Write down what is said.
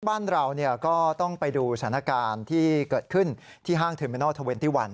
บ้านเราก็ต้องไปดูสถานการณ์ที่เกิดขึ้นที่ห้างเทอร์เมนอล๒๑